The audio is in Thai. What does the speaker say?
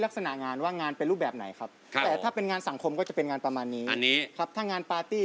หวังว่าดูแล้วโซมมันใช้ได้ด้อยนะต้องมีสัก๑๐ที